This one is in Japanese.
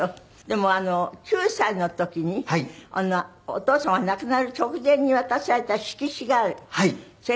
でも９歳の時にお父様が亡くなる直前に渡された色紙がある。